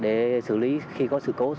để xử lý khi có sự cố